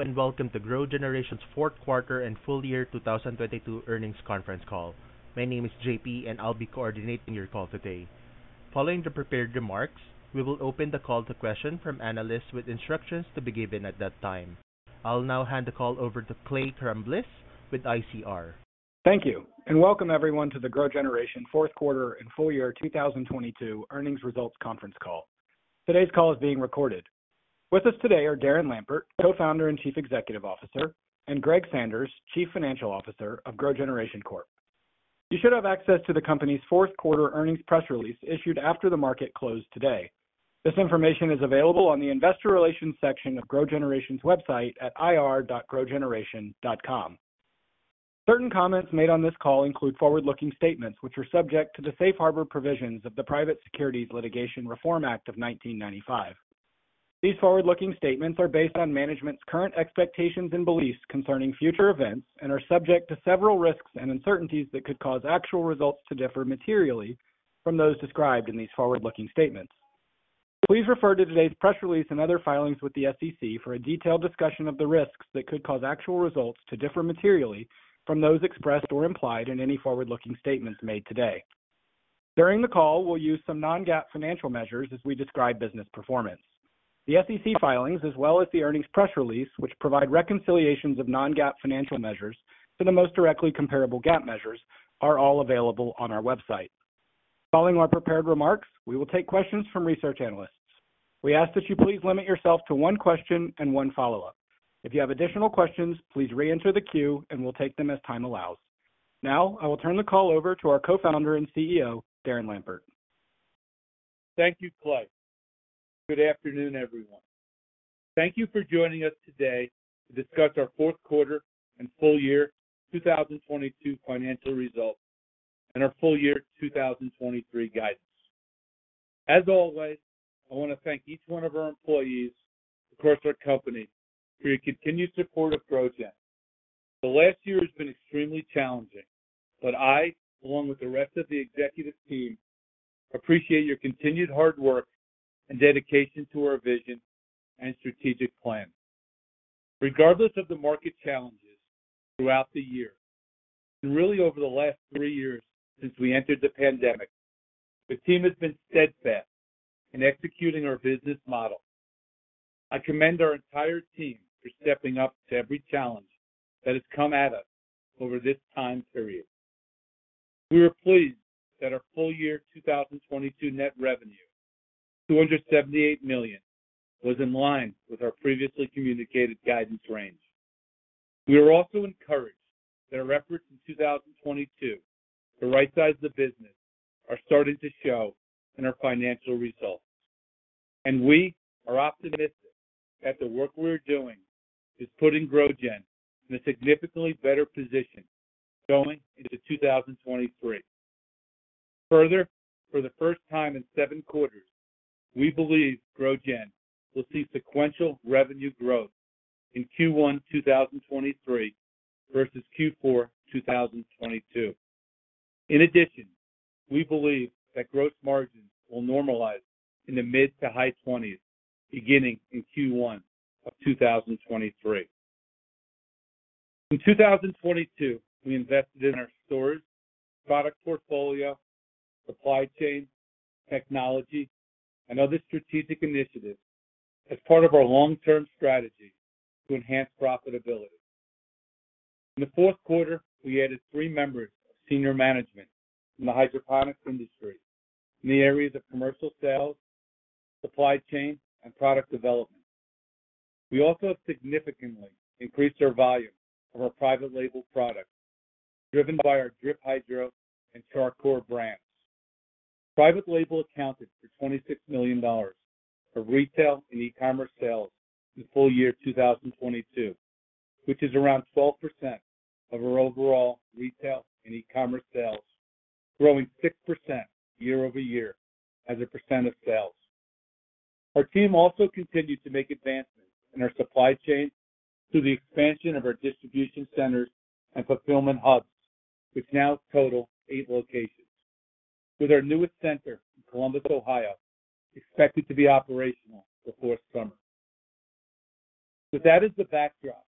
Hello and welcome to GrowGeneration's fourth quarter and full year 2022 earnings conference call. My name is JP, and I'll be coordinating your call today. Following the prepared remarks, we will open the call to questions from analysts with instructions to be given at that time. I'll now hand the call over to Clay Crumbliss with ICR. Welcome everyone to the GrowGeneration fourth quarter and full year 2022 earnings results conference call. Today's call is being recorded. With us today are Darren Lampert, Co-Founder and Chief Executive Officer, and Greg Sanders, Chief Financial Officer of GrowGeneration Corp. You should have access to the company's fourth quarter earnings press release issued after the market closed today. This information is available on the investor relations section of GrowGeneration's website at ir.growgeneration.com. Certain comments made on this call include forward-looking statements, which are subject to the safe harbor provisions of the Private Securities Litigation Reform Act of 1995. These forward-looking statements are based on management's current expectations and beliefs concerning future events and are subject to several risks and uncertainties that could cause actual results to differ materially from those described in these forward-looking statements. Please refer to today's press release and other filings with the SEC for a detailed discussion of the risks that could cause actual results to differ materially from those expressed or implied in any forward-looking statements made today. During the call, we'll use some non-GAAP financial measures as we describe business performance. The SEC filings as well as the earnings press release, which provide reconciliations of non-GAAP financial measures for the most directly comparable GAAP measures, are all available on our website. Following our prepared remarks, we will take questions from research analysts. We ask that you please limit yourself to one question and one follow-up. If you have additional questions, please reenter the queue, and we'll take them as time allows. Now, I will turn the call over to our Co-Founder and CEO, Darren Lampert. Thank you, Clay. Good afternoon, everyone. Thank you for joining us today to discuss our fourth quarter and full year 2022 financial results and our full year 2023 guidance. As always, I wanna thank each one of our employees across our company for your continued support of GrowGen. The last year has been extremely challenging. I, along with the rest of the executive team, appreciate your continued hard work and dedication to our vision and strategic plan. Regardless of the market challenges throughout the year, and really over the last three years since we entered the pandemic, the team has been steadfast in executing our business model. I commend our entire team for stepping up to every challenge that has come at us over this time period. We are pleased that our full year 2022 net revenue, $278 million, was in line with our previously communicated guidance range. We are also encouraged that our efforts in 2022, the right size of the business are starting to show in our financial results. We are optimistic that the work we're doing is putting GrowGen in a significantly better position going into 2023. Further, for the first time in seven quarters, we believe GrowGen will see sequential revenue growth in Q1 2023 versus Q4 2022. In addition, we believe that gross margins will normalize in the mid-to-high twenties beginning in Q1 of 2023. In 2022, we invested in our stores, product portfolio, supply chain, technology, and other strategic initiatives as part of our long-term strategy to enhance profitability. In the fourth quarter, we added three members of senior management from the hydroponics industry in the areas of commercial sales, supply chain, and product development. We also have significantly increased our volume of our private label products driven by our Drip Hydro and Char Coir brands. Private label accounted for $26 million for retail and e-commerce sales in full year 2022, which is around 12% of our overall retail and e-commerce sales, growing 6% year-over-year as a percent of sales. Our team also continued to make advancements in our supply chain through the expansion of our distribution centers and fulfillment hubs, which now total eight locations with our newest center in Columbus, Ohio, expected to be operational before summer. With that as the backdrop,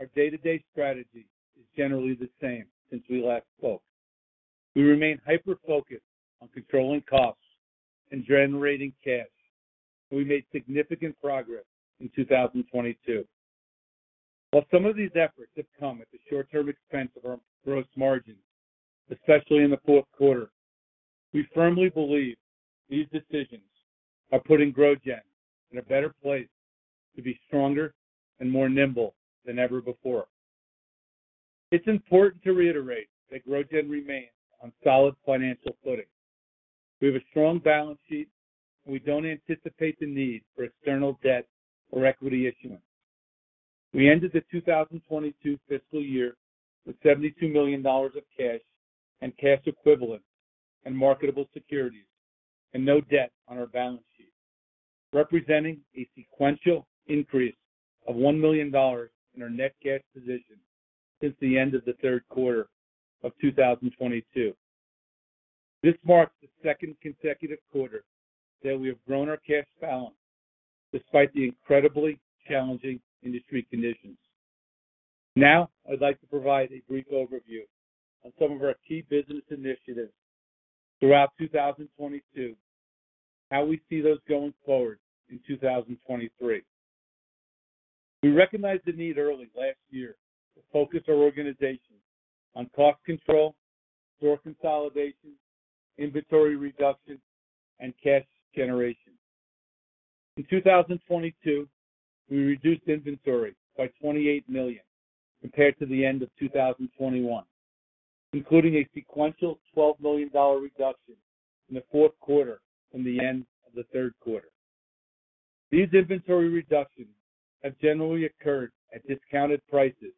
our day-to-day strategy is generally the same since we last spoke. We remain hyper-focused on controlling costs and generating cash, and we made significant progress in 2022. While some of these efforts have come at the short-term expense of our gross margin, especially in the fourth quarter, we firmly believe these decisions are putting GrowGen in a better place to be stronger and more nimble than ever before. It's important to reiterate that GrowGen remains on solid financial footing. We have a strong balance sheet, and we don't anticipate the need for external debt or equity issuance. We ended the 2022 fiscal year with $72 million of cash and cash equivalents and marketable securities and no debt on our balance sheet, representing a sequential increase of $1 million in our net cash position since the end of the third quarter of 2022. This marks the second consecutive quarter that we have grown our cash balance despite the incredibly challenging industry conditions. I'd like to provide a brief overview on some of our key business initiatives throughout 2022, how we see those going forward in 2023. We recognized the need early last year to focus our organization on cost control, store consolidation, inventory reduction, and cash generation. In 2022, we reduced inventory by $28 million compared to the end of 2021, including a sequential $12 million reduction in the fourth quarter from the end of the third quarter. These inventory reductions have generally occurred at discounted prices,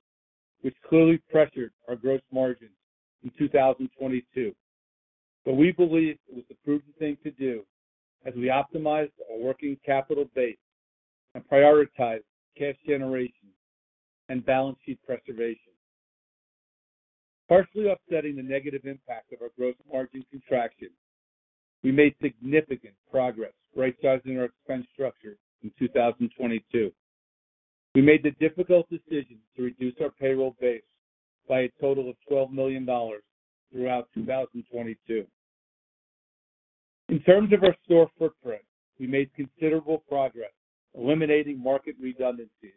which clearly pressured our gross margins in 2022. We believe it was the prudent thing to do as we optimized our working capital base and prioritized cash generation and balance sheet preservation. Partially offsetting the negative impact of our gross margin contraction, we made significant progress rightsizing our expense structure in 2022. We made the difficult decision to reduce our payroll base by a total of $12 million throughout 2022. In terms of our store footprint, we made considerable progress eliminating market redundancies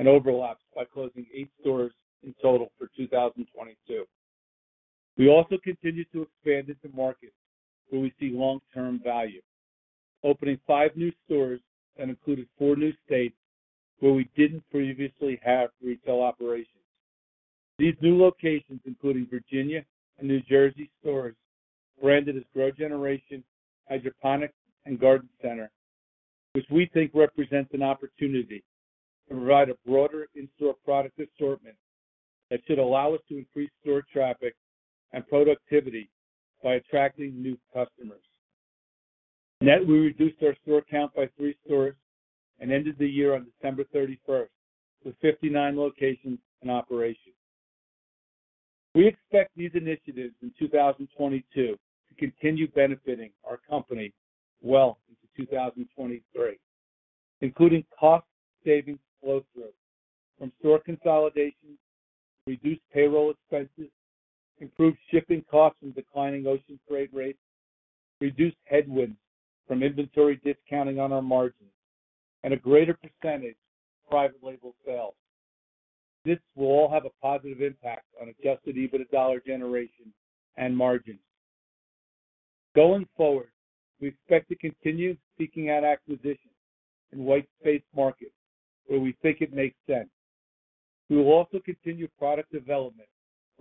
and overlaps by closing eight stores in total for 2022. We also continued to expand into markets where we see long-term value, opening five new stores and included four new states where we didn't previously have retail operations. These new locations, including Virginia and New Jersey stores, are branded as GrowGeneration Hydroponics and Garden Center, which we think represents an opportunity to provide a broader in-store product assortment that should allow us to increase store traffic and productivity by attracting new customers. We reduced our store count by three stores and ended the year on December 31st with 59 locations in operation. We expect these initiatives in 2022 to continue benefiting our company well into 2023, including cost savings flow-through from store consolidation, reduced payroll expenses, improved shipping costs from declining ocean freight rates, reduced headwinds from inventory discounting on our margins, and a greater percentage of private label sales. This will all have a positive impact on Adjusted EBITDA generation and margins. Going forward, we expect to continue seeking out acquisitions in white space markets where we think it makes sense. We will also continue product development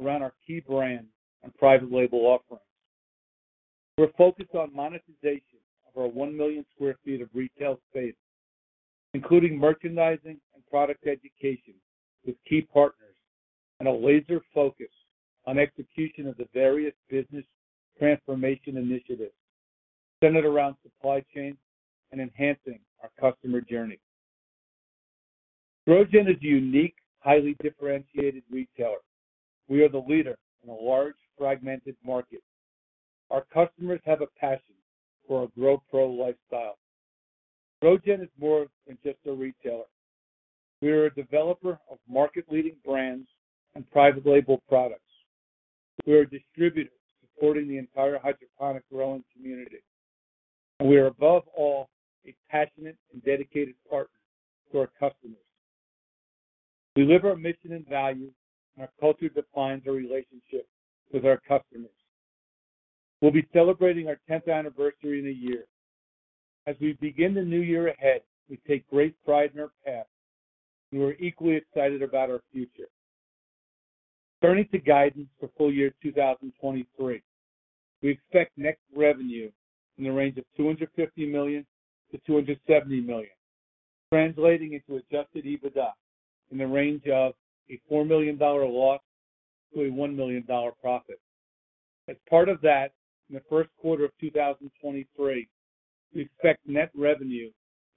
around our key brands and private label offerings. We're focused on monetization of our 1 million sq ft of retail space, including merchandising and product education with key partners, and a laser focus on execution of the various business transformation initiatives centered around supply chain and enhancing our customer journey. GrowGen is a unique, highly differentiated retailer. We are the leader in a large, fragmented market. Our customers have a passion for a grow pro lifestyle. GrowGen is more than just a retailer. We are a developer of market-leading brands and private label products. We are a distributor supporting the entire hydroponic growing community. We are above all a passionate and dedicated partner to our customers. We live our mission and values. Our culture defines our relationship with our customers. We'll be celebrating our tenth anniversary in a year. As we begin the new year ahead, we take great pride in our past. We're equally excited about our future. Turning to guidance for full year 2023, we expect net revenue in the range of $250 million-$270 million, translating into Adjusted EBITDA in the range of a $4 million loss to a $1 million profit. As part of that, in the first quarter of 2023, we expect net revenue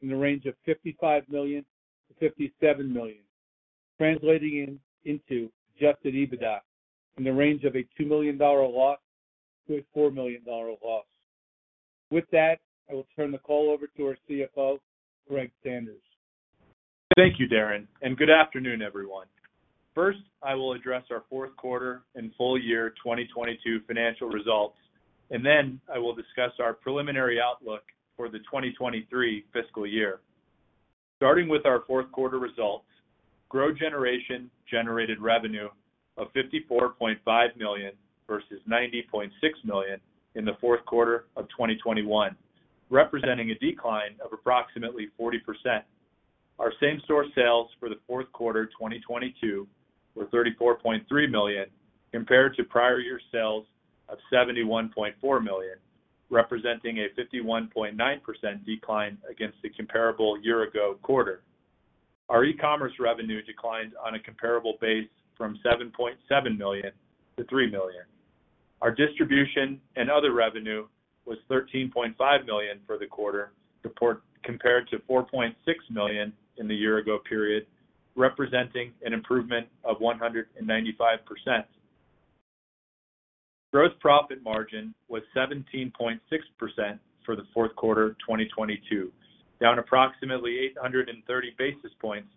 in the range of $55 million-$57 million, translating into Adjusted EBITDA in the range of a $2 million loss to a $4 million loss. With that, I will turn the call over to our CFO, Greg Sanders. Thank you, Darren. Good afternoon, everyone. First, I will address our fourth quarter and full year 2022 financial results. Then I will discuss our preliminary outlook for the 2023 fiscal year. Starting with our fourth quarter results, GrowGeneration generated revenue of $54.5 million versus $90.6 million in the fourth quarter of 2021, representing a decline of approximately 40%. Our same-store sales for the fourth quarter 2022 were $34.3 million compared to prior year sales of $71.4 million, representing a 51.9% decline against the comparable year-ago quarter. Our e-commerce revenue declined on a comparable base from $7.7 million to $3 million. Our distribution and other revenue was $13.5 million for the quarter report compared to $4.6 million in the year ago period. Representing an improvement of 195%. Gross profit margin was 17.6% for the fourth quarter of 2022, down approximately 830 basis points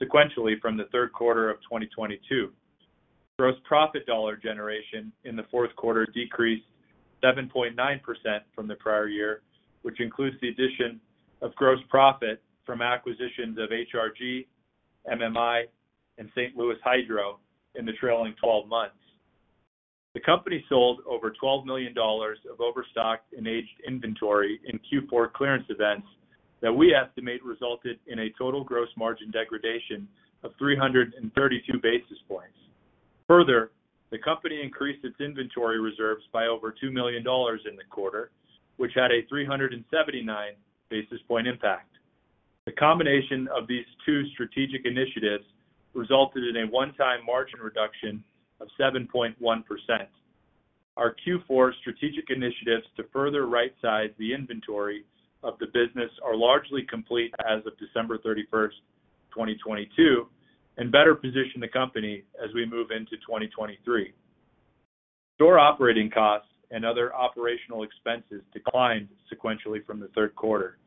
sequentially from the third quarter of 2022. Gross profit dollar generation in the fourth quarter decreased 7.9% from the prior year, which includes the addition of gross profit from acquisitions of HRG, MMI, and St. Louis Hydro in the trailing 12 months. The company sold over $12 million of overstocked and aged inventory in Q4 clearance events that we estimate resulted in a total gross margin degradation of 332 basis points. Further, the company increased its inventory reserves by over $2 million in the quarter, which had a 379 basis point impact. The combination of these two strategic initiatives resulted in a one-time margin reduction of 7.1%. Our Q4 strategic initiatives to further right-size the inventory of the business are largely complete as of December 31, 2022, and better position the company as we move into 2023. Store operating costs and other operational expenses declined sequentially from the third quarter.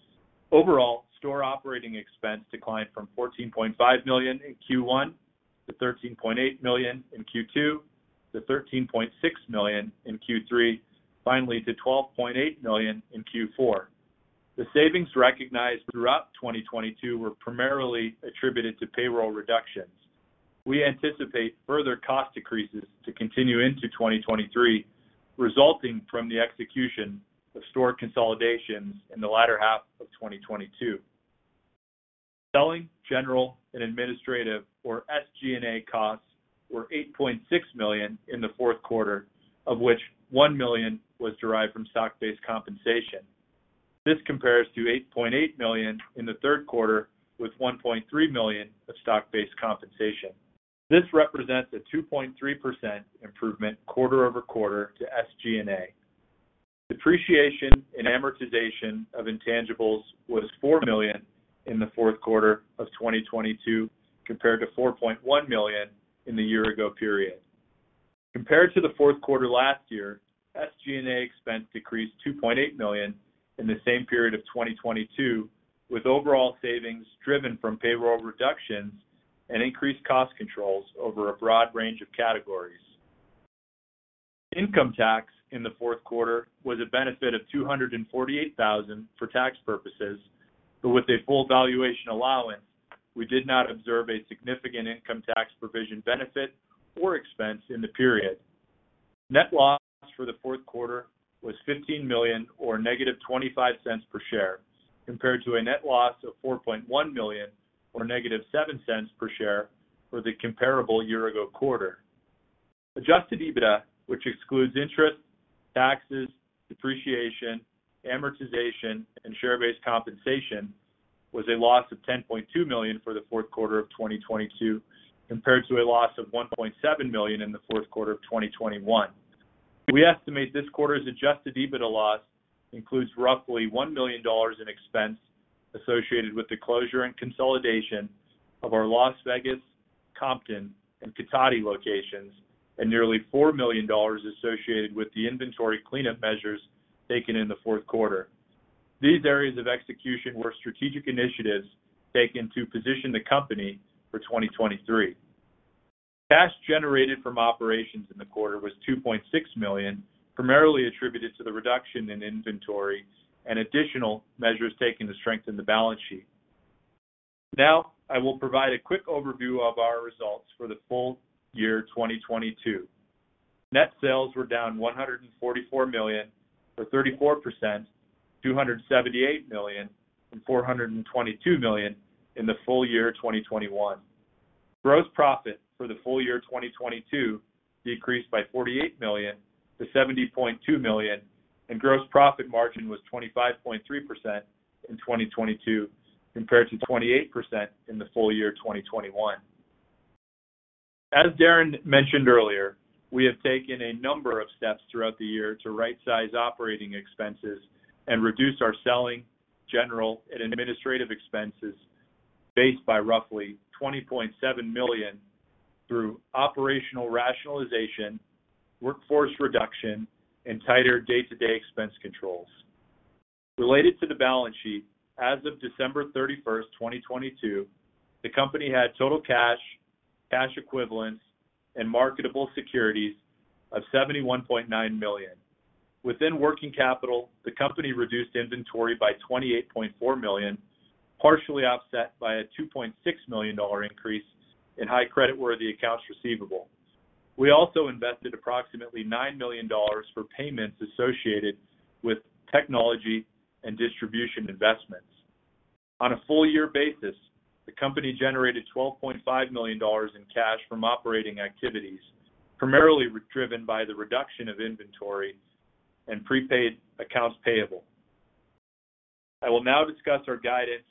Overall, store operating expense declined from $14.5 million in Q1 to $13.8 million in Q2 to $13.6 million in Q3, finally to $12.8 million in Q4. The savings recognized throughout 2022 were primarily attributed to payroll reductions. We anticipate further cost decreases to continue into 2023, resulting from the execution of store consolidations in the latter half of 2022. Selling, general and administrative, or SG&A costs were $8.6 million in the fourth quarter, of which $1 million was derived from stock-based compensation. This compares to $8.8 million in the third quarter, with $1.3 million of stock-based compensation. This represents a 2.3% improvement quarter-over-quarter to SG&A. Depreciation and amortization of intangibles was $4 million in the fourth quarter of 2022, compared to $4.1 million in the year ago period. Compared to the fourth quarter last year, SG&A expense decreased $2.8 million in the same period of 2022, with overall savings driven from payroll reductions and increased cost controls over a broad range of categories. Income tax in the fourth quarter was a benefit of $248,000 for tax purposes, but with a full valuation allowance, we did not observe a significant income tax provision benefit or expense in the period. Net loss for the fourth quarter was $15 million or -$0.25 per share, compared to a net loss of $4.1 million or -$0.07 per share for the comparable year ago quarter. Adjusted EBITDA, which excludes interest, taxes, depreciation, amortization, and share-based compensation, was a loss of $10.2 million for the fourth quarter of 2022, compared to a loss of $1.7 million in the fourth quarter of 2021. We estimate this quarter's Adjusted EBITDA loss includes roughly $1 million in expense associated with the closure and consolidation of our Las Vegas, Compton, and Cotati locations, and nearly $4 million associated with the inventory cleanup measures taken in the fourth quarter. These areas of execution were strategic initiatives taken to position the company for 2023. Cash generated from operations in the quarter was $2.6 million, primarily attributed to the reduction in inventory and additional measures taken to strengthen the balance sheet. I will provide a quick overview of our results for the full year 2022. Net sales were down $144 million, or 34%, $278 million from $422 million in the full year 2021. Gross profit for the full year 2022 decreased by $48 million to $70.2 million, and gross profit margin was 25.3% in 2022 compared to 28% in the full year 2021. As Darren mentioned earlier, we have taken a number of steps throughout the year to right-size operating expenses and reduce our SG&A based by roughly $20.7 million through operational rationalization, workforce reduction, and tighter day-to-day expense controls. Related to the balance sheet, as of December 31st, 2022, the company had total cash equivalents, and marketable securities of $71.9 million. Within working capital, the company reduced inventory by $28.4 million, partially offset by a $2.6 million increase in high creditworthy accounts receivable. We also invested approximately $9 million for payments associated with technology and distribution investments. On a full year basis, the company generated $12.5 million in cash from operating activities, primarily driven by the reduction of inventory and prepaid accounts payable. I will now discuss our guidance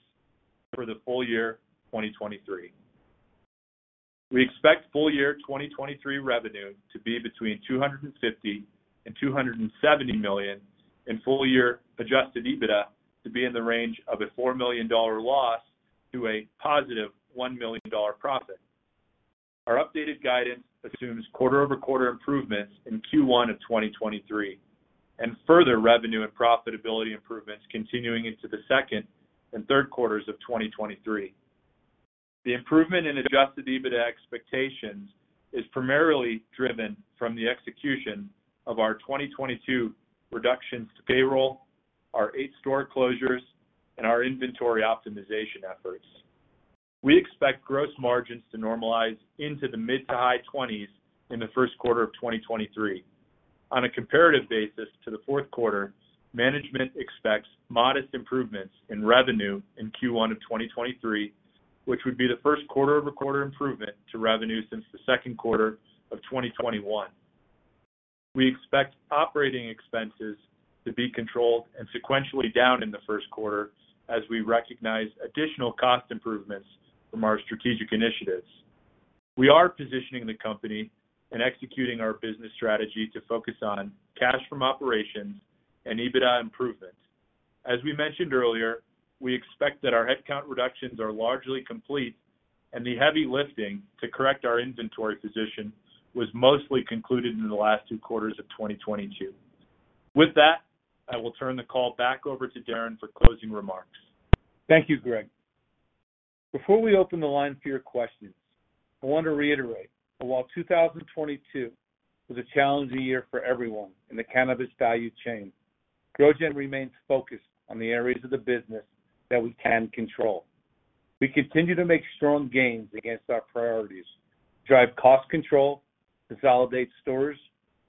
for the full year 2023. We expect full year 2023 revenue to be between $250 million and $270 million, full year Adjusted EBITDA to be in the range of a $4 million loss to a positive $1 million profit. Our updated guidance assumes quarter-over-quarter improvements in Q1 of 2023, and further revenue and profitability improvements continuing into the second and third quarters of 2023. The improvement in Adjusted EBITDA expectations is primarily driven from the execution of our 2022 reductions to payroll, our eight store closures, and our inventory optimization efforts. We expect gross margins to normalize into the mid to high twenties in the first quarter of 2023. On a comparative basis to the fourth quarter, management expects modest improvements in revenue in Q1 of 2023, which would be the first quarter-over-quarter improvement to revenue since the second quarter of 2021. We expect operating expenses to be controlled and sequentially down in the first quarter as we recognize additional cost improvements from our strategic initiatives. We are positioning the company and executing our business strategy to focus on cash from operations and EBITDA improvements. As we mentioned earlier, we expect that our headcount reductions are largely complete and the heavy lifting to correct our inventory position was mostly concluded in the last two quarters of 2022. With that, I will turn the call back over to Darren for closing remarks. Thank you, Greg. Before we open the line for your questions, I want to reiterate that while 2022 was a challenging year for everyone in the cannabis value chain, GrowGen remains focused on the areas of the business that we can control. We continue to make strong gains against our priorities, drive cost control, consolidate stores,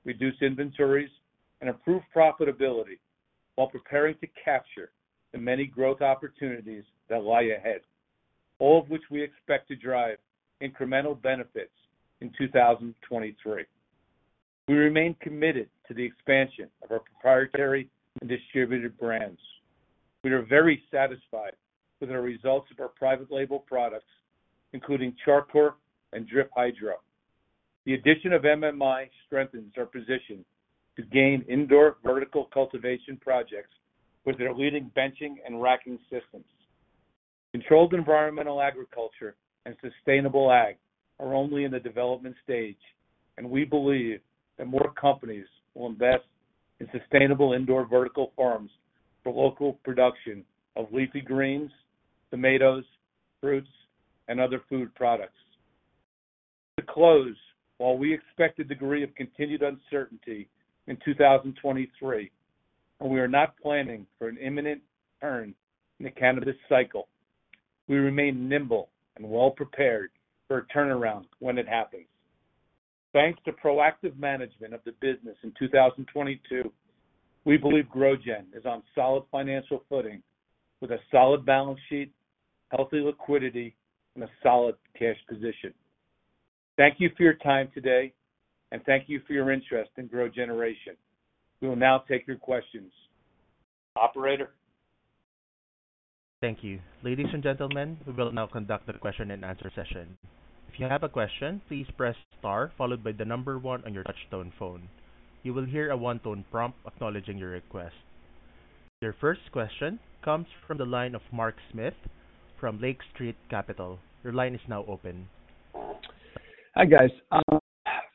reduce inventories, and improve profitability while preparing to capture the many growth opportunities that lie ahead, all of which we expect to drive incremental benefits in 2023. We remain committed to the expansion of our proprietary and distributed brands. We are very satisfied with the results of our private label products, including Char Coir and Drip Hydro. The addition of MMI strengthens our position to gain indoor vertical cultivation projects with their leading benching and racking systems. Controlled environmental agriculture and sustainable ag are only in the development stage. We believe that more companies will invest in sustainable indoor vertical farms for local production of leafy greens, tomatoes, fruits, and other food products. To close, while we expect a degree of continued uncertainty in 2023, we are not planning for an imminent turn in the cannabis cycle, we remain nimble and well-prepared for a turnaround when it happens. Thanks to proactive management of the business in 2022, we believe GrowGen is on solid financial footing with a solid balance sheet, healthy liquidity, and a solid cash position. Thank you for your time today. Thank you for your interest in GrowGeneration. We will now take your questions. Operator. Thank you. Ladies and gentlemen, we will now conduct the question and answer session. If you have a question, please press star followed by one on your touch tone phone. You will hear a one-tone prompt acknowledging your request. Your first question comes from the line of Mark Smith from Lake Street Capital. Your line is now open. Hi, guys.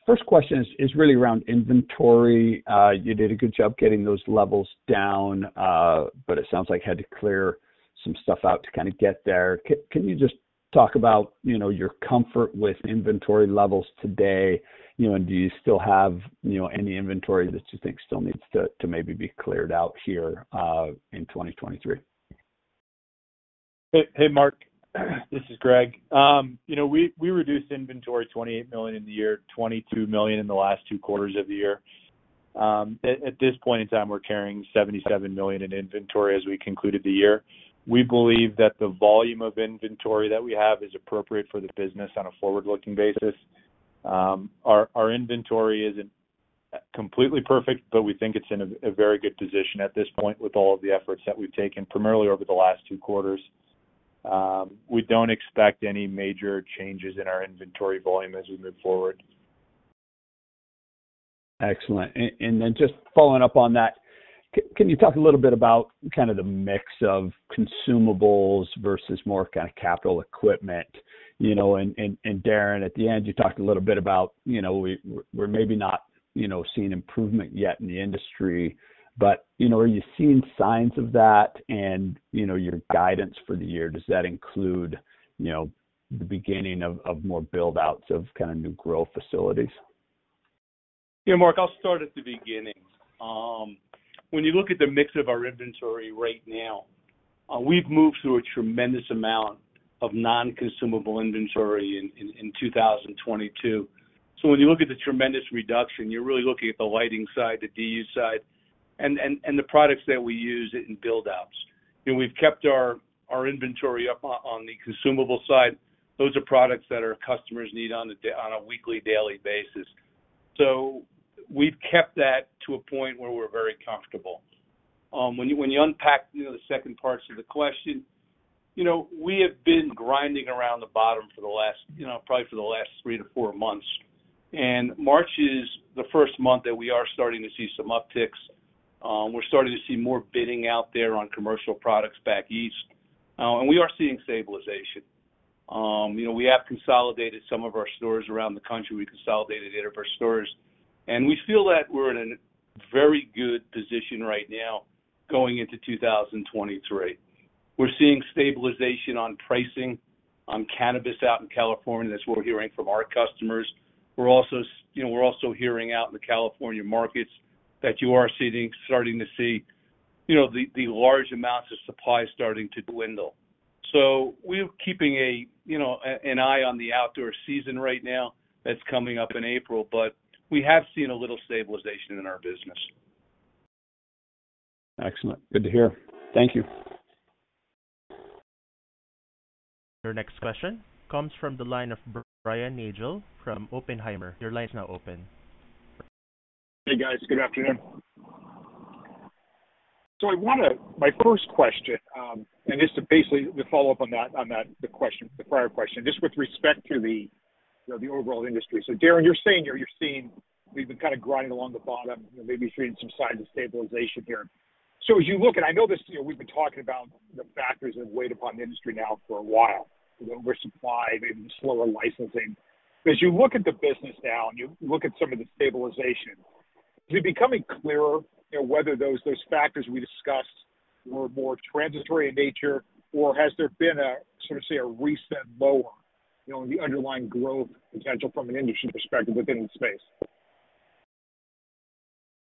First question is really around inventory. You did a good job getting those levels down, but it sounds like you had to clear some stuff out to kind of get there. Can you just talk about, you know, your comfort with inventory levels today, you know, and do you still have, you know, any inventory that you think still needs to maybe be cleared out here in 2023? Hey, Mark. This is Greg. You know, we reduced inventory $28 million in the year, $22 million in the last two quarters of the year. At this point in time, we're carrying $77 million in inventory as we concluded the year. We believe that the volume of inventory that we have is appropriate for the business on a forward-looking basis. Our inventory isn't completely perfect, but we think it's in a very good position at this point with all of the efforts that we've taken, primarily over the last two quarters. We don't expect any major changes in our inventory volume as we move forward. Excellent. Then just following up on that, can you talk a little bit about kind of the mix of consumables versus more kind of capital equipment? You know, and Darren, at the end, you talked a little bit about, you know, we're maybe not, you know, seeing improvement yet in the industry. You know, are you seeing signs of that and, you know, your guidance for the year, does that include, you know, the beginning of more build-outs of kind of new growth facilities? Yeah, Mark, I'll start at the beginning. When you look at the mix of our inventory right now, we've moved through a tremendous amount of non-consumable inventory in 2022. When you look at the tremendous reduction, you're really looking at the lighting side, the DE side, and the products that we use in build-outs. You know, we've kept our inventory up on the consumable side. Those are products that our customers need on a weekly, daily basis. We've kept that to a point where we're very comfortable. When you unpack, you know, the second parts of the question, you know, we have been grinding around the bottom for the last, you know, probably for the last three to four months. March is the first month that we are starting to see some upticks. We're starting to see more bidding out there on commercial products back east. We are seeing stabilization. You know, we have consolidated some of our stores around the country. We consolidated eight of our stores, and we feel that we're in a very good position right now going into 2023. We're seeing stabilization on pricing, on cannabis out in California. That's what we're hearing from our customers. We're also, you know, we're also hearing out in the California markets that you are seeing, starting to see, you know, the large amounts of supply starting to dwindle. We're keeping a, you know, an eye on the outdoor season right now that's coming up in April, but we have seen a little stabilization in our business. Excellent. Good to hear. Thank you. Your next question comes from the line of Brian Nagel from Oppenheimer. Your line's now open. Hey, guys. Good afternoon. My first question, and this is basically the follow-up on that, the question, the prior question, just with respect to the, you know, the overall industry. Darren, you're saying here you're seeing we've been kind of grinding along the bottom and maybe seeing some signs of stabilization here. As you look, and I know this, you know, we've been talking about the factors that have weighed upon the industry now for a while, you know, oversupply, maybe slower licensing. Is it becoming clearer, you know, whether those factors we discussed were more transitory in nature, or has there been a, sort of say, a reset lower, you know, in the underlying growth potential from an industry perspective within the space?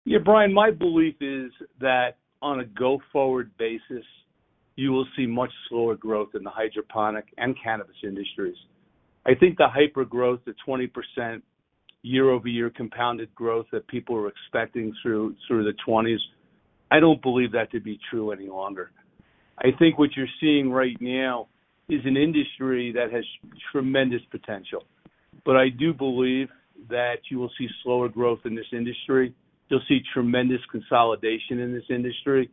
Yeah, Brian, my belief is that on a go-forward basis, you will see much slower growth in the hydroponic and cannabis industries. I think the hypergrowth, the 20% year-over-year compounded growth that people are expecting through the twenties, I don't believe that to be true any longer. I think what you're seeing right now is an industry that has tremendous potential. I do believe that you will see slower growth in this industry. You'll see tremendous consolidation in this industry.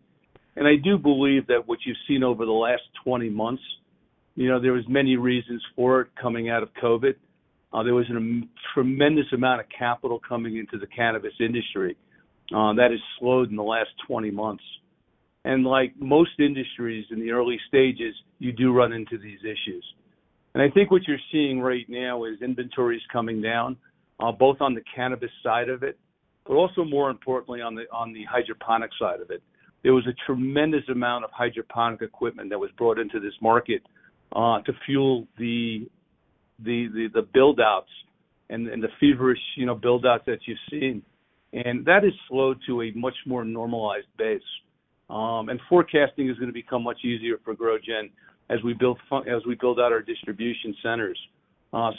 I do believe that what you've seen over the last 20 months, you know, there was many reasons for it coming out of COVID. There was a tremendous amount of capital coming into the cannabis industry that has slowed in the last 20 months. Like most industries in the early stages, you do run into these issues. I think what you're seeing right now is inventories coming down, both on the cannabis side of it, but also more importantly on the hydroponic side of it. There was a tremendous amount of hydroponic equipment that was brought into this market, to fuel the build-outs and the feverish, you know, build-out that you've seen. That has slowed to a much more normalized base. Forecasting is going to become much easier for GrowGen as we build out our distribution centers.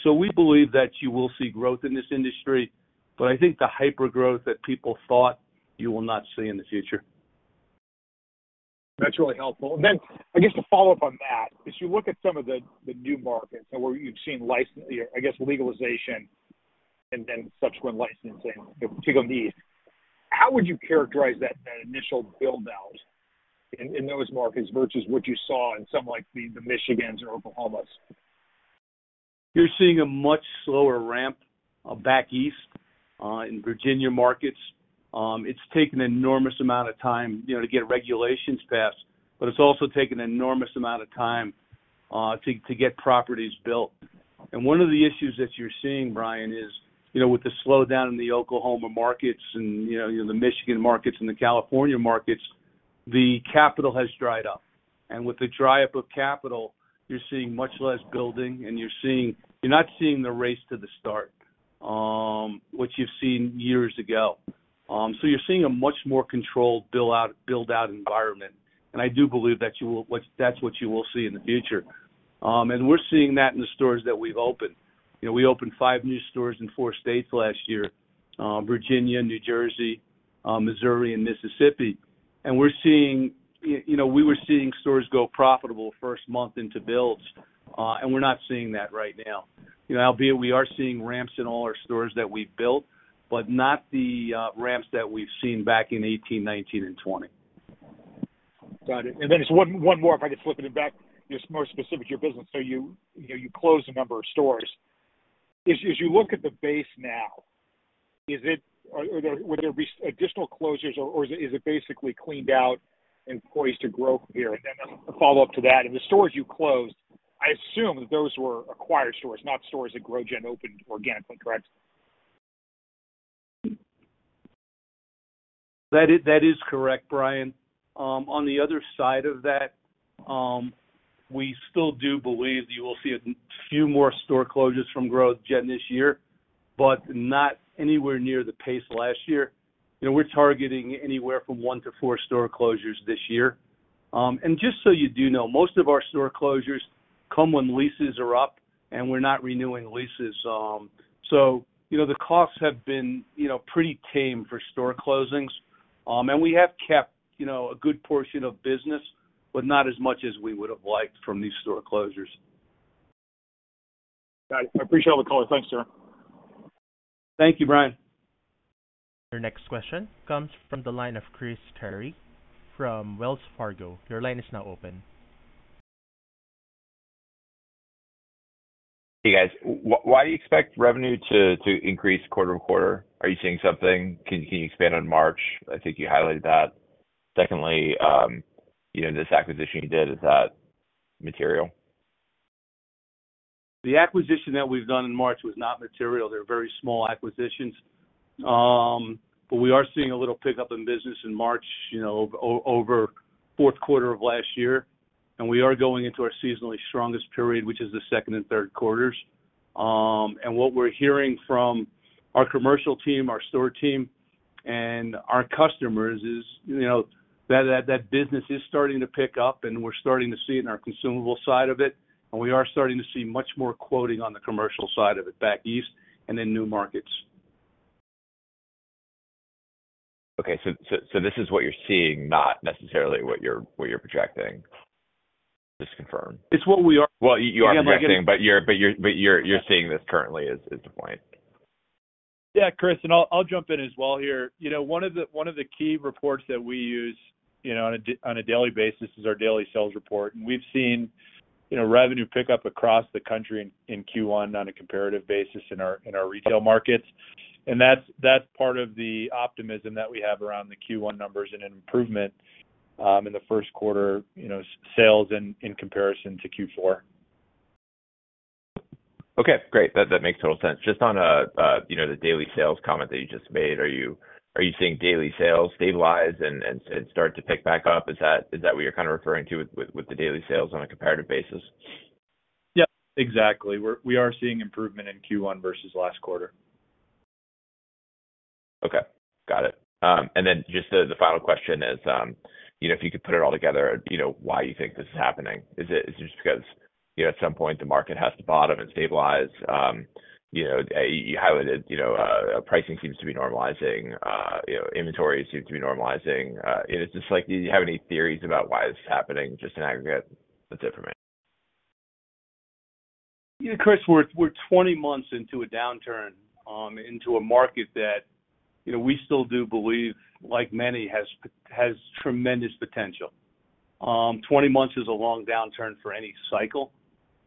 We believe that you will see growth in this industry, but I think the hypergrowth that people thought you will not see in the future. That's really helpful. I guess to follow up on that, as you look at some of the new markets and where you've seen, you know, I guess legalization and then subsequent licensing, you know, particularly East, how would you characterize that initial build-out in those markets versus what you saw in some like the Michigans or Oklahomas? You're seeing a much slower ramp back East in Virginia markets. It's taken an enormous amount of time, you know, to get regulations passed, but it's also taken an enormous amount of time to get properties built. One of the issues that you're seeing, Brian, is, you know, with the slowdown in the Oklahoma markets and, you know, the Michigan markets and the California markets, the capital has dried up. With the dry up of capital, you're seeing much less building and you're not seeing the race to the start, which you've seen years ago. You're seeing a much more controlled build out environment. I do believe that you will that's what you will see in the future. We're seeing that in the stores that we've opened. You know, we opened five new stores in four states last year, Virginia, New Jersey, Missouri and Mississippi. We're seeing, you know, we were seeing stores go profitable first month into builds, and we're not seeing that right now. You know, albeit we are seeing ramps in all our stores that we've built, but not the ramps that we've seen back in 2018, 2019 and 2020. Got it. Just one more, if I could flip it back, just more specific to your business. You know, you closed a number of stores. As you look at the base now, are there, will there be additional closures or is it basically cleaned out and poised to grow from here? A follow-up to that, in the stores you closed, I assume that those were acquired stores, not stores that GrowGen opened organically, correct? That is correct, Brian. On the other side of that, we still do believe you will see a few more store closures from GrowGen this year, but not anywhere near the pace of last year. You know, we're targeting anywhere from one to four store closures this year. Just so you do know, most of our store closures come when leases are up and we're not renewing leases. You know, the costs have been, you know, pretty tame for store closings. We have kept, you know, a good portion of business, but not as much as we would have liked from these store closures. Got it. I appreciate all the color. Thanks, sir. Thank you, Brian. Your next question comes from the line of Chris Terry from Wells Fargo. Your line is now open. Hey, guys. Why do you expect revenue to increase quarter-over-quarter? Are you seeing something? Can you expand on March? I think you highlighted that. Secondly, you know, this acquisition you did, is that material? The acquisition that we've done in March was not material. They're very small acquisitions. We are seeing a little pickup in business in March, you know, over fourth quarter of last year. We are going into our seasonally strongest period, which is the second and third quarters. What we're hearing from our commercial team, our store team, and our customers is, you know, that business is starting to pick up, and we're starting to see it in our consumable side of it, and we are starting to see much more quoting on the commercial side of it back east and in new markets. Okay. This is what you're seeing, not necessarily what you're projecting. Just confirm. It's what we are- Well, you are projecting, but you're seeing this currently is the point. Yeah, Chris, I'll jump in as well here. You know, one of the key reports that we use, you know, on a daily basis is our daily sales report. We've seen, you know, revenue pick up across the country in Q1 on a comparative basis in our retail markets. That's part of the optimism that we have around the Q1 numbers and an improvement in the first quarter, you know, sales in comparison to Q4. Okay, great. That makes total sense. Just on, you know, the daily sales comment that you just made, are you seeing daily sales stabilize and start to pick back up? Is that what you're kind of referring to with the daily sales on a comparative basis? Yeah, exactly. We are seeing improvement in Q1 versus last quarter. Okay, got it. Just the final question is, you know, if you could put it all together, you know, why you think this is happening. Is it just because, you know, at some point the market has to bottom and stabilize? You know, you highlighted, you know, pricing seems to be normalizing, you know, inventory seems to be normalizing. Is this like, do you have any theories about why this is happening just in aggregate with information? You know, Chris, we're 20 months into a downturn, into a market that, you know, we still do believe, like many has tremendous potential. 20 months is a long downturn for any cycle.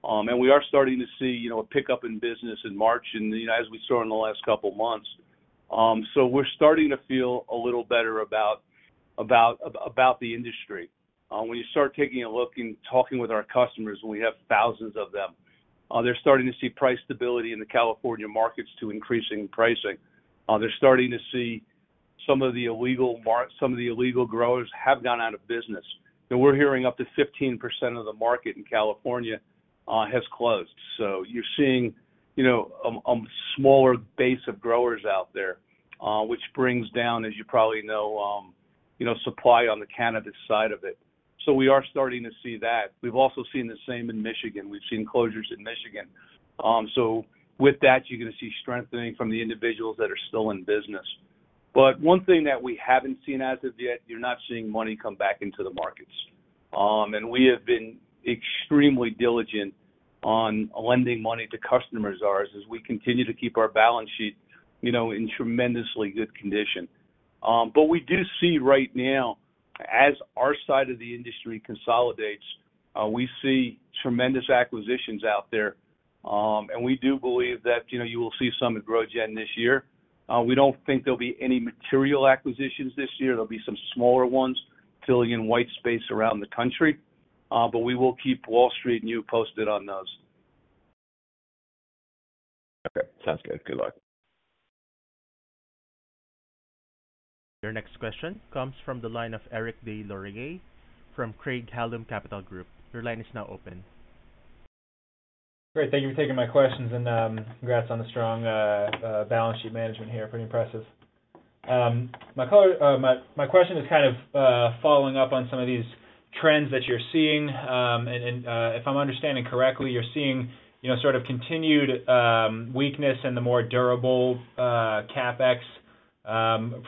We are starting to see, you know, a pickup in business in March and, you know, as we saw in the last couple months. We're starting to feel a little better about the industry. When you start taking a look and talking with our customers, and we have thousands of them, they're starting to see price stability in the California markets to increasing pricing. They're starting to see some of the illegal growers have gone out of business. You know, we're hearing up to 15% of the market in California has closed. You're seeing, you know, smaller base of growers out there, which brings down, as you probably know, supply on the cannabis side of it. We are starting to see that. We've also seen the same in Michigan. We've seen closures in Michigan. With that, you're gonna see strengthening from the individuals that are still in business. One thing that we haven't seen as of yet, you're not seeing money come back into the markets. We have been extremely diligent on lending money to customers ours as we continue to keep our balance sheet, you know, in tremendously good condition. We do see right now, as our side of the industry consolidates, we see tremendous acquisitions out there. We do believe that, you know, you will see some at GrowGen this year. We don't think there'll be any material acquisitions this year. There'll be some smaller ones filling in white space around the country. We will keep Wall Street and you posted on those. Okay, sounds good. Good luck. Your next question comes from the line of Eric Des Lauriers from Craig-Hallum Capital Group. Your line is now open. Great. Thank you for taking my questions, and congrats on the strong balance sheet management here. Pretty impressive. My question is kind of following up on some of these trends that you're seeing, and if I'm understanding correctly, you're seeing, you know, sort of continued weakness in the more durable CapEx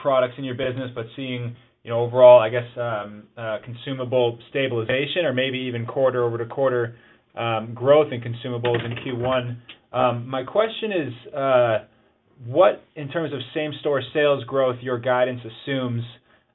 products in your business, but seeing, you know, overall, I guess, consumable stabilization or maybe even quarter-over-quarter growth in consumables in Q1. My question is, what, in terms of same-store sales growth, your guidance assumes,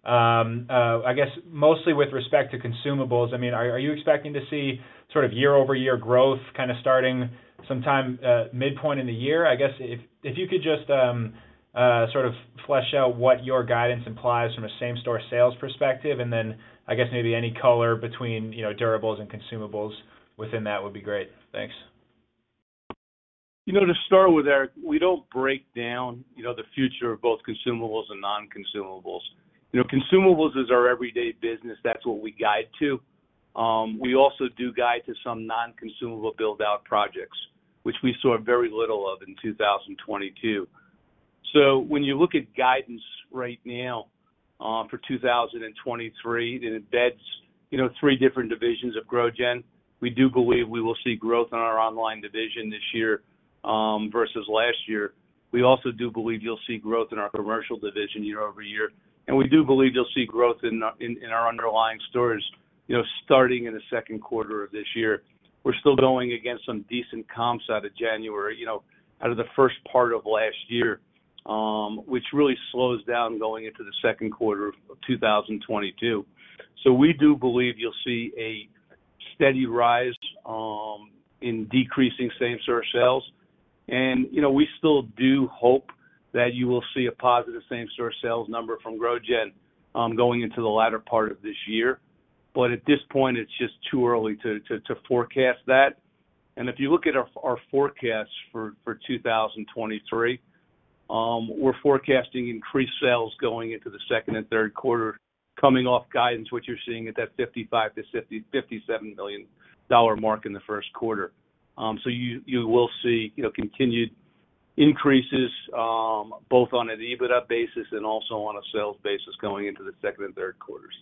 I guess mostly with respect to consumables. I mean, are you expecting to see sort of year-over-year growth kinda starting sometime midpoint in the year? I guess if you could just sort of flesh out what your guidance implies from a same-store sales perspective, and then I guess maybe any color between, you know, durables and consumables within that would be great. Thanks. You know, to start with, Eric, we don't break down, you know, the future of both consumables and non-consumables. You know, consumables is our everyday business. That's what we guide to. We also do guide to some non-consumable build-out projects, which we saw very little of in 2022. When you look at guidance right now, for 2023, it embeds, you know, three different divisions of GrowGen. We do believe we will see growth in our online division this year, versus last year. We also do believe you'll see growth in our commercial division year-over-year, and we do believe you'll see growth in our underlying stores, you know, starting in the 2nd quarter of this year. We're still going against some decent comps out of January, you know, out of the first part of last year, which really slows down going into the second quarter of 2022. We do believe you'll see a steady rise in decreasing same-store sales. You know, we still do hope that you will see a positive same-store sales number from GrowGen going into the latter part of this year. At this point, it's just too early to forecast that. If you look at our forecasts for 2023, we're forecasting increased sales going into the second and third quarter coming off guidance, what you're seeing at that $55 million-$57 million mark in the first quarter. You will see, you know, continued increases, both on an EBITDA basis and also on a sales basis going into the second and third quarters.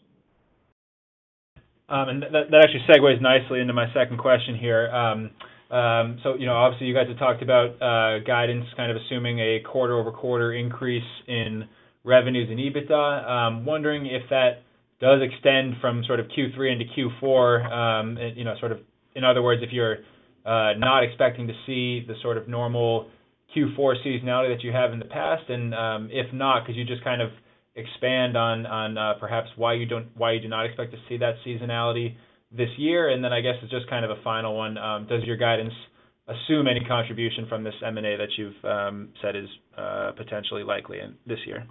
That actually segues nicely into my second question here. You know, obviously you guys have talked about guidance kind of assuming a quarter-over-quarter increase in revenues in EBITDA. Wondering if that does extend from sort of Q3 into Q4, you know, in other words, if you're not expecting to see the sort of normal Q4 seasonality that you have in the past? If not, could you just kind of expand on perhaps why you do not expect to see that seasonality this year? I guess it's just kind of a final one, does your guidance assume any contribution from this M&A that you've said is potentially likely in this year?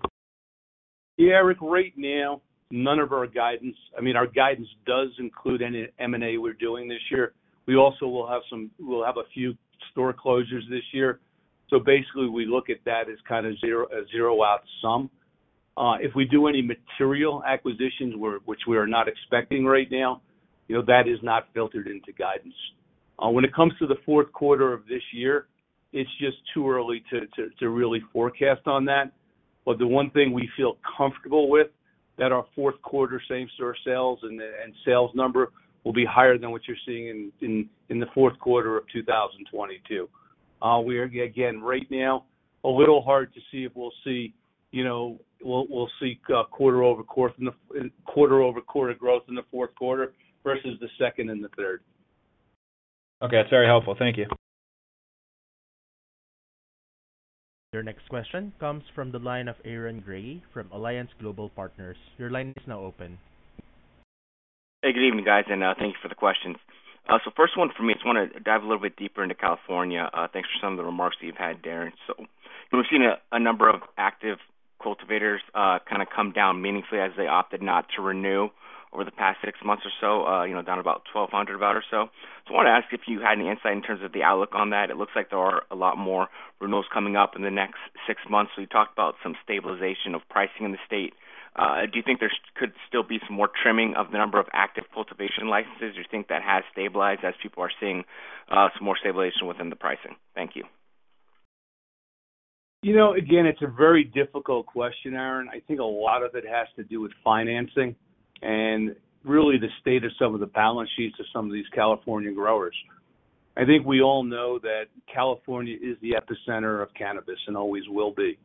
Yeah, Eric, right now, none of our guidance. I mean, our guidance does include any M&A we're doing this year. We also will have a few store closures this year, basically we look at that as kind of a zero-out sum. If we do any material acquisitions, which we are not expecting right now, you know, that is not filtered into guidance. When it comes to the fourth quarter of this year, it's just too early to really forecast on that. The one thing we feel comfortable with, that our fourth quarter same-store sales and sales number will be higher than what you're seeing in the fourth quarter of 2022. We are, again, right now, a little hard to see if we'll see, you know, we'll seek, quarter-over-quarter growth in the fourth quarter versus the second and the third. Okay. That's very helpful. Thank you. Your next question comes from the line of Aaron Grey from Alliance Global Partners. Your line is now open. Hey, good evening, guys, and thank you for the questions. First one for me, just wanna dive a little bit deeper into California. Thanks for some of the remarks that you've had, Darren. We've seen a number of active cultivators kind of come down meaningfully as they opted not to renew over the past six months or so, you know, down to about 1,200 or so. I wanted to ask if you had any insight in terms of the outlook on that. It looks like there are a lot more renewals coming up in the next six months. We talked about some stabilization of pricing in the state. Do you think there's could still be some more trimming of the number of active cultivation licenses, or do you think that has stabilized as people are seeing, some more stabilization within the pricing? Thank you. You know, again, it's a very difficult question, Aaron. I think a lot of it has to do with financing and really the state of some of the balance sheets of some of these California growers. I think we all know that California is the epicenter of cannabis and always will be.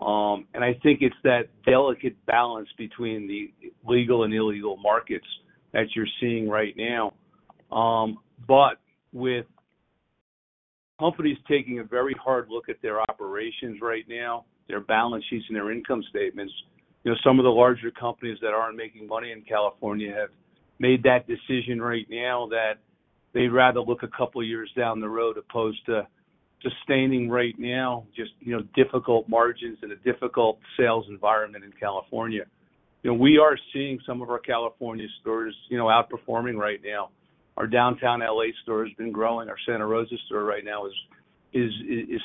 I think it's that delicate balance between the legal and illegal markets that you're seeing right now. With companies taking a very hard look at their operations right now, their balance sheets and their income statements, you know, some of the larger companies that aren't making money in California have made that decision right now that they'd rather look a couple years down the road as opposed to just standing right now, just, you know, difficult margins and a difficult sales environment in California. You know, we are seeing some of our California stores, you know, outperforming right now. Our downtown L.A. store has been growing. Our Santa Rosa store right now is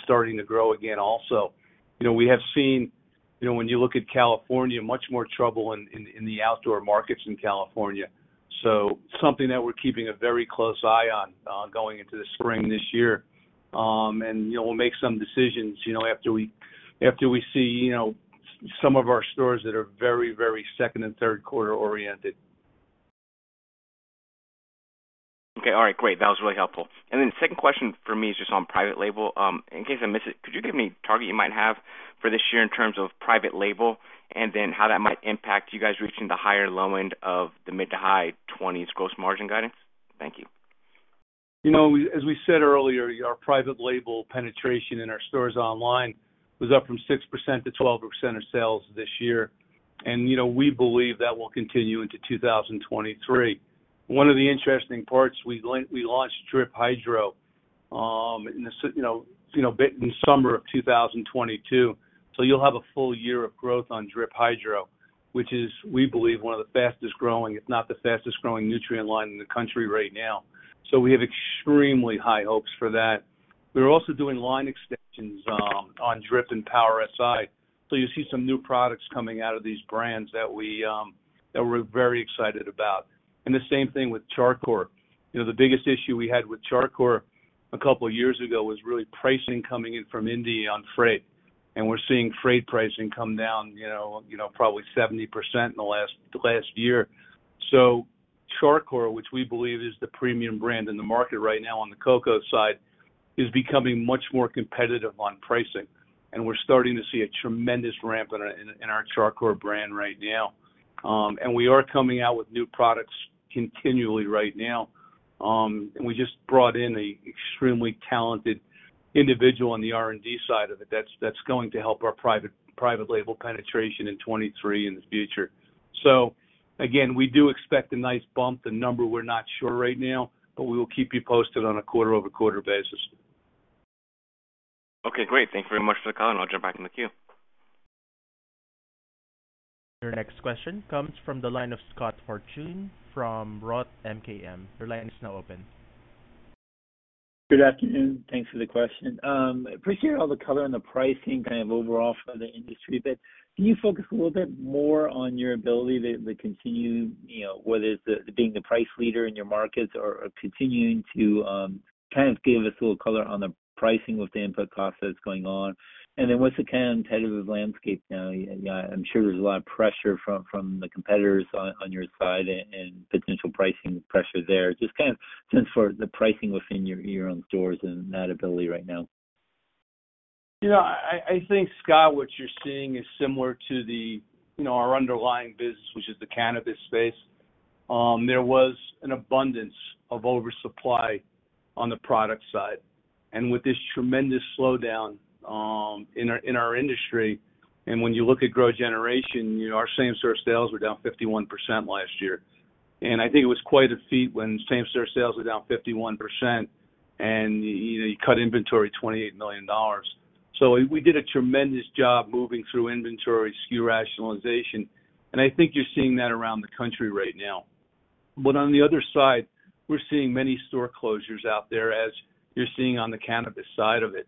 starting to grow again also. You know, we have seen, you know, when you look at California, much more trouble in the outdoor markets in California. Something that we're keeping a very close eye on going into the spring this year. You know, we'll make some decisions, you know, after we see, you know, some of our stores that are very second and third quarter oriented. Okay. All right. Great. That was really helpful. Second question for me is just on private label. In case I miss it, could you give me target you might have for this year in terms of private label, and then how that might impact you guys reaching the higher low end of the mid to high 20s gross margin guidance? Thank you. You know, as we said earlier, our private label penetration in our stores online was up from 6% to 12% of sales this year. You know, we believe that will continue into 2023. One of the interesting parts, we launched Drip Hydro in the summer of 2022. You'll have a full year of growth on Drip Hydro, which is, we believe, one of the fastest growing, if not the fastest growing nutrient line in the country right now. We have extremely high hopes for that. We're also doing line extensions on Drip and Power Si. You see some new products coming out of these brands that we're very excited about. The same thing with Char Coir. You know, the biggest issue we had with Char Coir a couple of years ago was really pricing coming in from India on freight. We're seeing freight pricing come down, you know, probably 70% in the last year. Char Coir, which we believe is the premium brand in the market right now on the coco side, is becoming much more competitive on pricing, and we're starting to see a tremendous ramp in our Char Coir brand right now. We are coming out with new products continually right now. We just brought in a extremely talented individual on the R&D side of it. That's going to help our private label penetration in 23 in the future. Again, we do expect a nice bump. The number, we're not sure right now, but we will keep you posted on a quarter-over-quarter basis. Okay, great. Thank you very much for the call, and I'll jump back in the queue. Your next question comes from the line of Scott Fortune from Roth MKM. Your line is now open. Good afternoon. Thanks for the question. Appreciate all the color on the pricing kind of overall for the industry, but can you focus a little bit more on your ability to continue, you know, whether it's being the price leader in your markets or continuing to kind of give us a little color on the pricing with the input cost that's going on. What's the competitive landscape now? Yeah, I'm sure there's a lot of pressure from the competitors on your side and potential pricing pressure there. Just kind of sense for the pricing within your own stores and that ability right now. You know, I think, Scott, what you're seeing is similar to the, you know, our underlying business, which is the cannabis space. There was an abundance of oversupply on the product side. With this tremendous slowdown in our industry, and when you look at GrowGeneration, you know, our same-store sales were down 51% last year. I think it was quite a feat when same-store sales were down 51% and, you know, you cut inventory $28 million. We did a tremendous job moving through inventory SKU rationalization, and I think you're seeing that around the country right now. On the other side, we're seeing many store closures out there, as you're seeing on the cannabis side of it.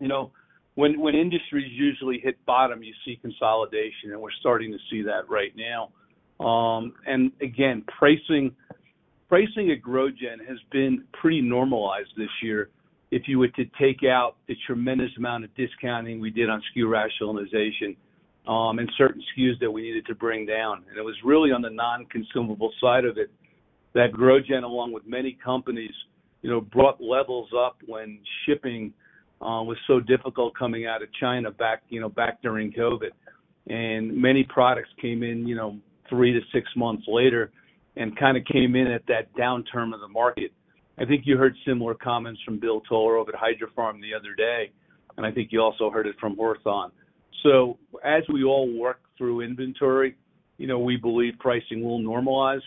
You know, when industries usually hit bottom, you see consolidation, and we're starting to see that right now. Again, pricing at GrowGen has been pretty normalized this year if you were to take out the tremendous amount of discounting we did on SKU rationalization, and certain SKUs that we needed to bring down. It was really on the non-consumable side of it that GrowGen, along with many companies, you know, brought levels up when shipping was so difficult coming out of China back, you know, back during COVID. Many products came in, you know, three to six months later and kind of came in at that downturn of the market. I think you heard similar comments from Bill Toler over at Hydrofarm the other day, and I think you also heard it from Hawthorne. As we all work through inventory, you know, we believe pricing will normalize.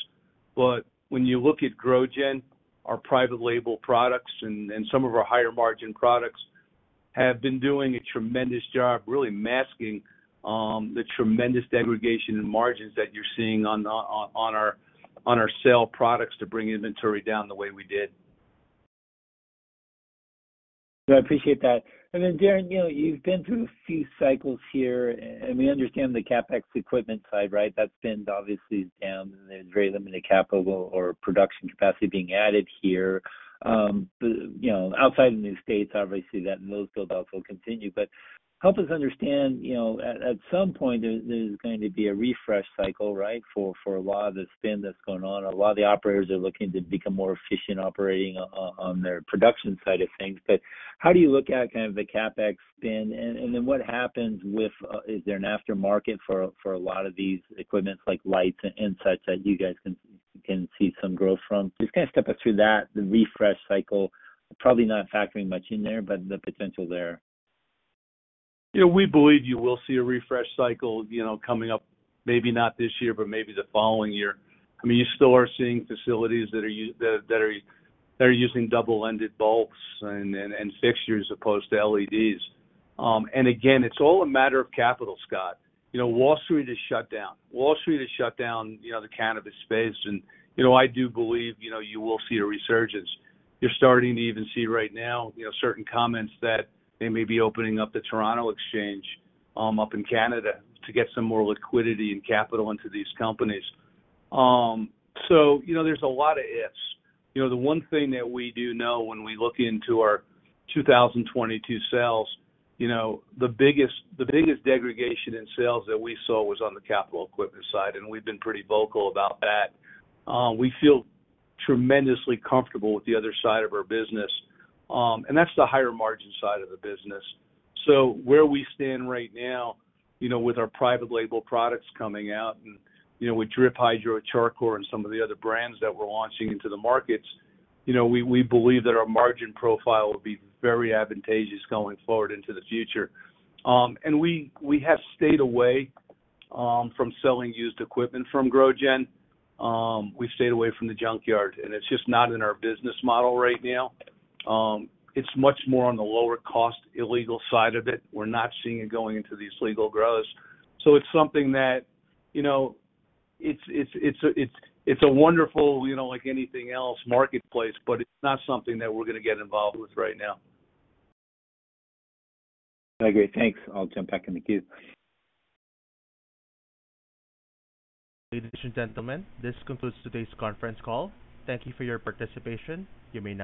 But when you look at GrowGen, our private label products and some of our higher margin products have been doing a tremendous job really masking the tremendous degradation in margins that you're seeing on our sale products to bring inventory down the way we did. I appreciate that. Then Darren, you know, you've been through a few cycles here, and we understand the CapEx equipment side, right? That spend obviously is down, and there's very limited capital or production capacity being added here. The, you know, outside of the new states, obviously that those build-outs will continue. Help us understand, you know, at some point there's going to be a refresh cycle, right, for a lot of the spend that's going on. A lot of the operators are looking to become more efficient operating on their production side of things. How do you look at kind of the CapEx spend, and then what happens with? Is there an aftermarket for a lot of these equipments like lights and such that you guys can see some growth from? Just kinda step us through that, the refresh cycle. Probably not factoring much in there, but the potential there. Yeah. We believe you will see a refresh cycle, you know, coming up maybe not this year, but maybe the following year. I mean, you still are seeing facilities that are using double-ended bulbs and fixtures opposed to LEDs. Again, it's all a matter of capital, Scott. You know, Wall Street is shut down, you know, the cannabis space and, you know, I do believe, you know, you will see a resurgence. You're starting to even see right now, you know, certain comments that they may be opening up the Toronto Exchange up in Canada to get some more liquidity and capital into these companies. You know, there's a lot of ifs. You know, the one thing that we do know when we look into our 2022 sales, you know, the biggest degradation in sales that we saw was on the capital equipment side. We've been pretty vocal about that. We feel tremendously comfortable with the other side of our business. That's the higher margin side of the business. Where we stand right now, you know, with our private label products coming out and, you know, with Drip Hydro, Char Coir, and some of the other brands that we're launching into the markets, you know, we believe that our margin profile will be very advantageous going forward into the future. We have stayed away from selling used equipment from GrowGen. We've stayed away from the junkyard. It's just not in our business model right now. It's much more on the lower cost illegal side of it. We're not seeing it going into these legal growers. It's something that, you know, it's a wonderful, you know, like anything else, marketplace, but it's not something that we're gonna get involved with right now. Okay, great. Thanks. I'll jump back in the queue. Ladies and gentlemen, this concludes today's conference call. Thank you for your participation. You may now disconnect.